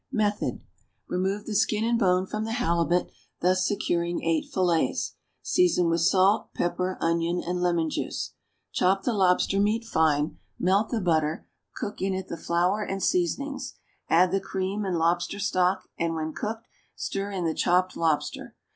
Method. Remove the skin and bone from the halibut, thus securing eight fillets. Season with salt, pepper, onion and lemon juice. Chop the lobster meat fine; melt the butter, cook in it the flour and seasonings, add the cream and lobster stock, and, when cooked, stir in the chopped lobster.